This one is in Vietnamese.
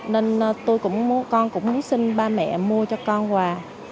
nên tôi cũng muốn sinh ba mẹ mua cho con quà